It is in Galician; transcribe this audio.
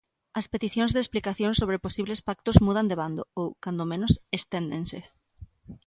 As peticións de explicacións sobre posibles pactos mudan de bando ou, cando menos, esténdense.